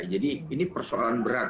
jadi ini persoalan berat